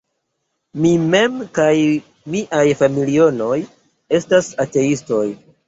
Mi mem kaj miaj familianoj estas ateistoj.